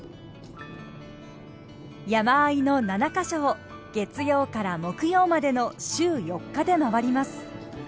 山あいの７カ所を月曜から木曜までの週４日で回ります。